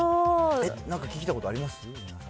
なんか聞きたいことあります？